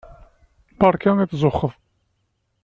Beṛka i tzuxxeḍ.